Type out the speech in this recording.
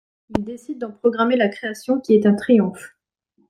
Il décide d'en programmer la création, qui est un triomphe.